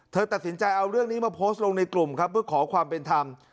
เธอตัดสินใจเอาเรื่องนี้มาโพสต์ลงในกลุ่มครับเพื่อขอความเป็นธรรม